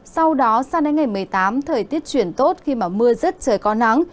sau đó sang đến ngày một mươi tám thời tiết chuyển tốt khi mà mưa rứt trời có nắng